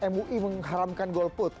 mui mengharamkan golput